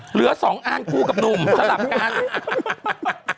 เหลือ๒อันคู่กับหนุ่มสลับกัน